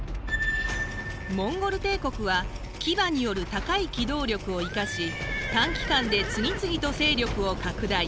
モンゴル帝国は騎馬による高い機動力を生かし短期間で次々と勢力を拡大。